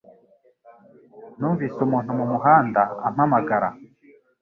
Numvise umuntu mumuhanda ampamagara